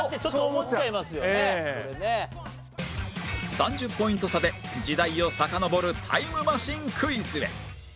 ３０ポイント差で時代をさかのぼるタイムマシンクイズへ